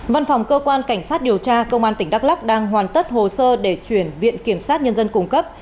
văn phòng cơ quan cảnh sát điều tra công an tỉnh đắk lắc đang hoàn tất hồ sơ để chuyển viện kiểm sát nhân dân cung cấp